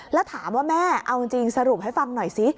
แล้วถามว่าแม่เอาจริงสรุปให้ฟังหน่อยสิ